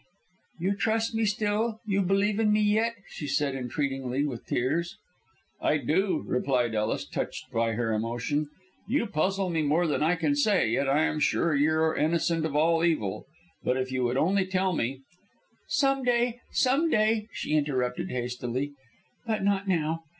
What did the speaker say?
"You trust me still? you believe in me yet?" she said entreatingly, and with tears. "I do," replied Ellis, touched by her emotion. "You puzzle me more than I can say, yet I am sure you are innocent of all evil. But if you would only tell me " "Some day! some day!" she interrupted hastily; "but not now.